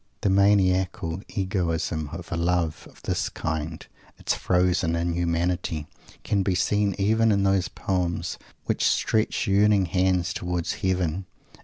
The maniacal egoism of a love of this kind its frozen inhumanity can be seen even in those poems which stretch yearning hands towards Heaven.